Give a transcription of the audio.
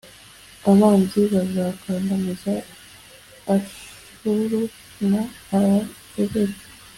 abanzi bazakandamiza ashuru na eberi.